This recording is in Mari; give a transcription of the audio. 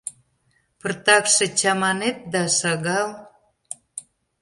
Пыртакше чаманет, да шагал.